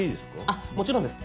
あっもちろんです。